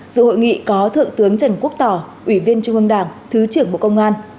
dự hội nghị có thượng tướng trần quốc tỏ ủy viên trung ương đảng thứ trưởng bộ công an